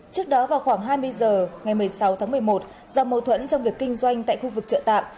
trước đó vào khoảng hai mươi h ngày một mươi sáu tháng một mươi một do mâu thuẫn trong việc kinh doanh tại khu vực chợ tạm